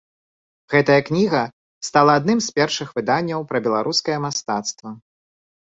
Гэтая кніга стала адным з першых выданняў пра беларускае мастацтва.